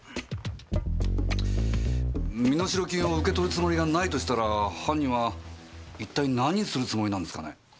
身代金を受け取るつもりがないとしたら犯人は一体何するつもりなんですかね。